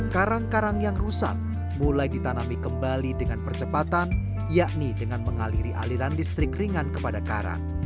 karang karang yang rusak mulai ditanami kembali dengan percepatan yakni dengan mengaliri aliran listrik ringan kepada karang